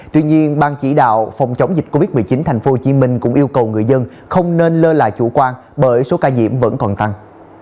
tuy nhiên ban chỉ đạo phòng chống dịch covid một mươi chín tp hcm cũng yêu cầu người dân không nên lơ là chủ quan bởi số ca nhiễm vẫn còn tăng